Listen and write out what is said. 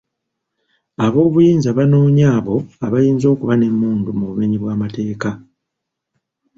Ab'obuyinza baanoonya abo abayinza okuba n'emmundu mu bumenyi bw'amateeka.